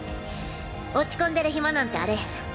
落ち込んでる暇なんてあれへん。